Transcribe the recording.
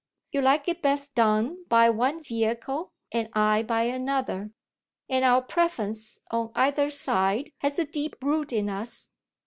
You like it best done by one vehicle and I by another; and our preference on either side has a deep root in us.